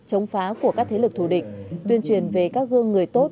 chống phá của các thế lực thù địch tuyên truyền về các gương người tốt